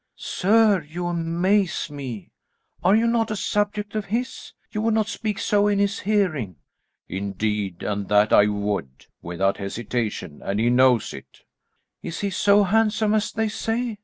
"Sir, you amaze me. Are you not a subject of his? You would not speak so in his hearing." "Indeed and that I would, without hesitation, and he knows it." "Is he so handsome as they say?